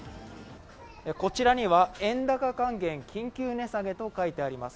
こちらには円高還元緊急値下げと書いてあります。